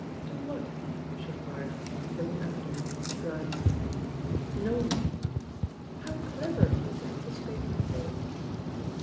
"Do what?" she enquired, looking up at him in surprise. "Know me." "How dever of you to anticipate my thoughts."